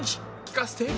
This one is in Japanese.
聞かせて！